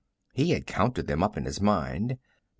_" He had counted them up in his mind.